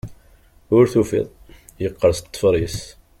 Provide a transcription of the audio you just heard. Ur tufiḍ... yeqqers ṭṭfer-is.